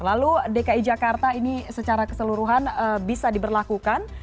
lalu dki jakarta ini secara keseluruhan bisa diberlakukan